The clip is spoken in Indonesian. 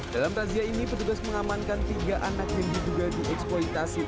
dalam razia ini petugas mengamankan tiga anak yang diduga dieksploitasi